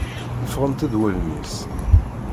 Ffɣent-d wallen-is!